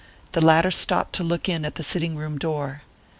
The latter stopped to look in at the sitting room door.